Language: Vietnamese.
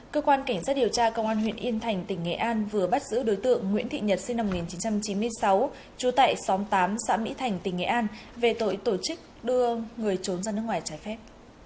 cơ quan cảnh sát điều tra công an huyện yên thành tỉnh nghệ an vừa bắt giữ đối tượng nguyễn thị nhật sinh năm một nghìn chín trăm chín mươi sáu trú tại xóm tám xã mỹ thành tỉnh nghệ an về tội tổ chức đưa người trốn ra nước ngoài trái phép